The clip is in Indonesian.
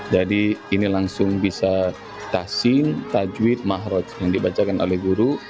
jadi ini langsung bisa tahsin tajwid mahradz yang dibacakan oleh guru